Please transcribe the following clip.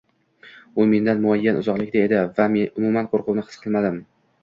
u mendan muayyan uzoqlikda edi va umuman qoʻrquvni his qilmadim.